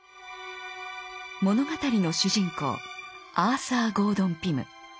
物語の主人公アーサー・ゴードン・ピム。